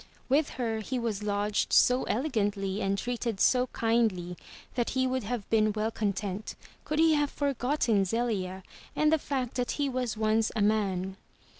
With her he was lodged so elegantly and treated so kindly that he would have been well content, could he have forgotten Zelia and the fact that he was once a man.